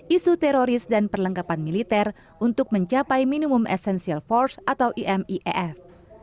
isu teroris dan perlengkapan militer untuk mencapai minimum essential force atau imef